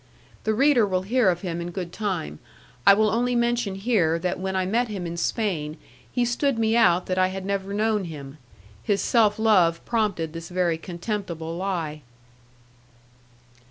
The reader will hear of him in good time; I will only mention here that when I met him in Spain, he stood me out that I had never known him; his self love prompted this very contemptible lie.